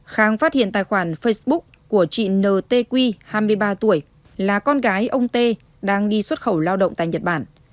khang phát hiện tài khoản facebook của chị n t qui hai mươi ba tuổi là con gái ông t đang đi xuất khẩu lao động tại nhật bản